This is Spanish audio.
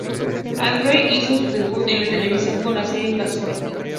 Andrew hizo su debut en la televisión con la serie Casualty.